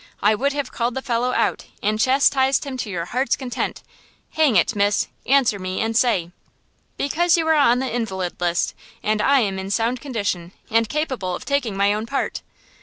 I would have called the fellow out and chastised him to your heart's content! Hang it, miss, answer me and say!" "Because you are on the invalid list and I am in sound condition and capable of taking my own part!" said Cap.